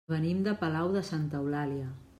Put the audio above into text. Venim de Palau de Santa Eulàlia.